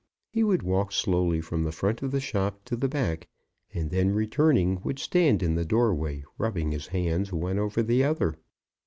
He would walk slowly from the front of the shop to the back, and then returning would stand in the doorway, rubbing his hands one over the other.